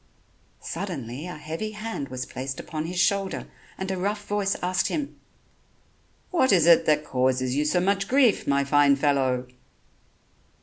Suddenly a heavy hand was placed upon his shoulder, and a rough voice asked him: "What is it that causes you so much grief, my fine fellow?"